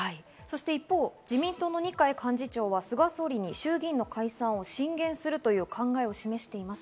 自民党の二階幹事長は菅総理に衆議院の解散を進言するという考えを示しています。